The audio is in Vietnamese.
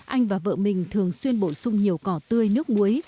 anh và vợ mình thường xuyên bổ sung nhiều cỏ tươi nước muối